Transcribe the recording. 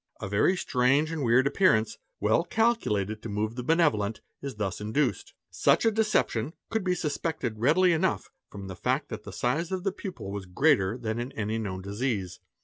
A very strange and weird appearance, well calculated to move the benevolent, is thus induced. _ Such a deception could be suspected readily enough from the fact that _ the size of the pupil was greater than in any known disease.